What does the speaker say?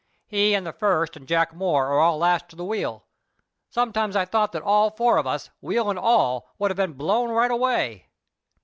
"He and the first and Jack Moore are all lashed to the wheel. Sometimes I thought that all four of us, wheel and all, would have been blown right away.